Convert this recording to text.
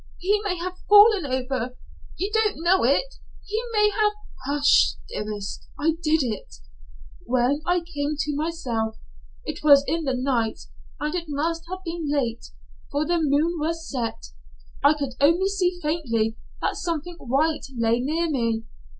He may have fallen over. You don't know it. He may have " "Hush, dearest. I did it. When I came to myself, it was in the night; and it must have been late, for the moon was set. I could only see faintly that something white lay near me.